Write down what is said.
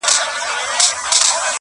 په ښارونو په دښتونو کي وړیا وه-